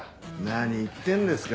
何言ってんですか。